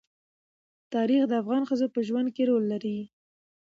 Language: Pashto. تاریخ د افغان ښځو په ژوند کې رول لري.